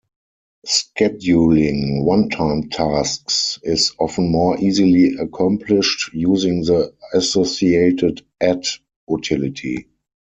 Scheduling one-time tasks is often more easily accomplished using the associated "at" utility.